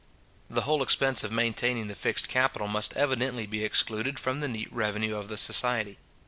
The whole expense of maintaining the fixed capital must evidently be excluded from the neat revenue of the society.